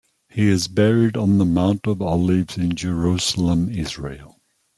He is buried on the Mount of Olives in Jerusalem, Israel.